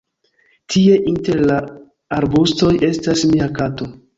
Tie, inter la arbustoj, estas mia kato.